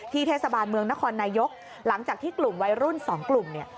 เทศบาลเมืองนครนายกหลังจากที่กลุ่มวัยรุ่นสองกลุ่มเนี่ย